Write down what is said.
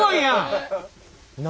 何？